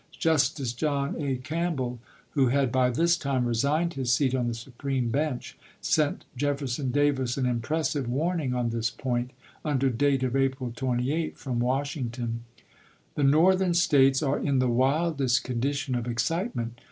Justice John A. Camp bell, who had by this time resigned his seat on the Supreme bench, sent Jefferson Davis an im pressive warning on this point, under date of April 28, from Washington. The Northeni States are in the ■svildest condition of excitement.